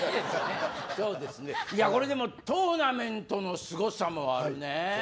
そうですね、これでもトーナメントのすごさもあるね。